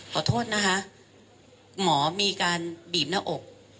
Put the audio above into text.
ขอโทษนะคะหมอมีการบีบหน้าอก